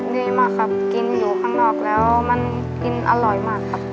ดีมากครับกินอยู่ข้างนอกแล้วมันกินอร่อยมากครับ